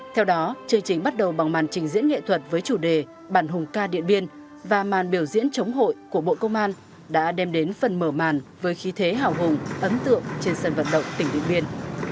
theo đó chương trình bắt đầu bằng màn trình diễn nghệ thuật với chủ đề bản hùng ca điện biên và màn biểu diễn chống hội của bộ công an đã đem đến phần mở màn với khí thế hào hùng ấn tượng trên sân vận động tỉnh điện biên